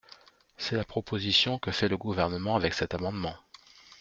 C’est la proposition que fait le Gouvernement avec cet amendement.